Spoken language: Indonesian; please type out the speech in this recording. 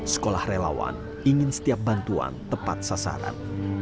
sekolah relawan ingin setiap bantuan tepat sasaran